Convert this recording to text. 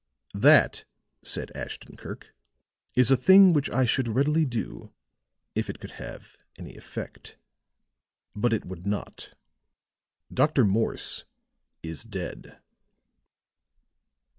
"That," said Ashton Kirk, "is a thing which I should readily do if it could have any effect. But it would not. Dr. Morse is dead."